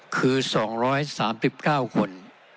คือ๒๓๙คน